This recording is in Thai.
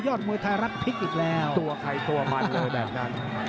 มวยไทยรัฐพลิกอีกแล้วตัวใครตัวมันเลยแบบนั้น